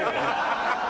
ハハハハ！